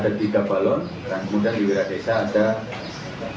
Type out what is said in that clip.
kemudian di porcong ada tiga balon kemudian di beradesa ada dua balon